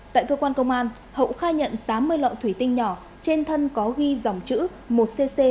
tại cơ quan công an hậu khai nhận tám mươi lọ thủy tinh nhỏ trên thân có ghi dòng chữ một cc